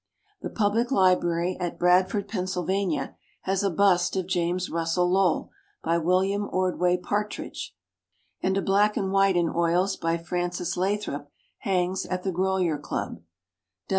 The Public Library at Bradford, Pennsylvania, has a bust of James Russell Lowell by William Ordway Partridge, and a black and white in oils by Francis Lathrop hangs at the Grolier Club.